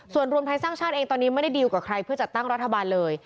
ส่วนรวมไทยสร้างชาติเองตอนนี้ไม่ได้ดีลกับใครเพื่อจัดตั้งรัฐบาลเลย